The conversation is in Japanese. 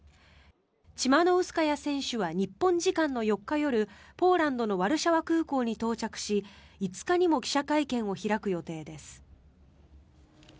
チマノウスカヤ選手は日本時間の４日夜ポーランドのワルシャワ空港に到着し５日にも記者会見を開く予定です。